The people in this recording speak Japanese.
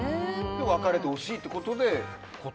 別れてほしいということで。